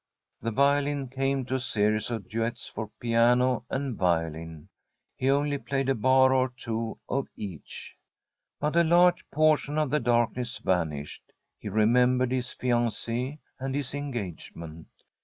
The violin came to a series of duets for piano and violin. He only played a bar or two of each. The STORY of a COUNTRY HOUSE But a large portion of the darkness vanished ; he remembered his fiancee and his engagement.